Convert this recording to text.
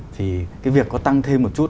thì cái việc có tăng thêm một chút